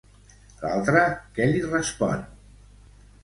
L'altre què li respon?